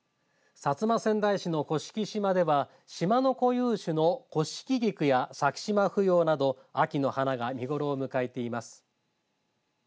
薩摩川内市の甑島では島の固有種のコシキギクやサキシマフヨウなど秋の花が見頃を迎えています。